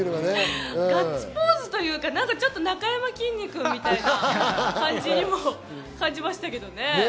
ガッツポーズというかちょっと、なかやまきんに君みたいな感じもしましたけどね。